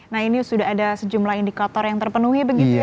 nah ini sudah ada sejumlah indikator yang terpenuhi begitu ya